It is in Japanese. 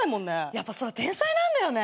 やっぱそら天才なんだよね。